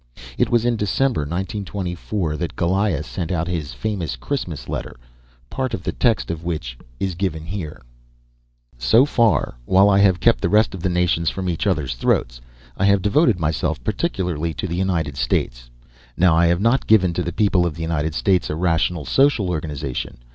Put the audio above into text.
It was in December, 1924, that Goliah sent out his famous "Christmas Letter," part of the text of which is here given: "So far, while I have kept the rest of the nations from each other's throats, I have devoted myself particularly to the United States. Now I have not given to the people of the United States a rational social organization.